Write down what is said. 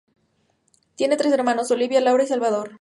Tiene tres hermanos: Olivia, Laura y Salvador.